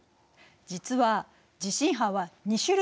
実は地震波は２種類あるの。